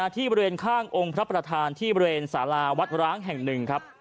ที่บริเวณข้างองค์พระประธานที่บริเวณสาราวัดร้างแห่งหนึ่งครับ